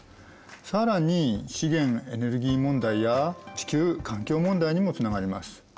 更に資源・エネルギー問題や地球環境問題にもつながります。